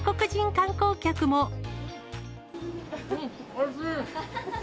おいしい。